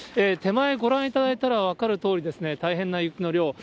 手前、ご覧いただいたら分かるとおりですね、大変な雪の量。